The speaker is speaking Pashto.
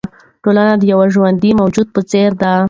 ټولنه د یوه ژوندي موجود په څېر ده.